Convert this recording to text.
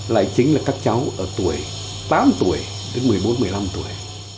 lại chính là các cháu ở tuổi tám tuổi đến một mươi bốn một mươi năm tuổi